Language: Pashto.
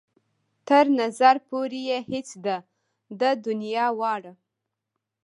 تر نظر پورې يې هېڅ ده د دنيا واړه.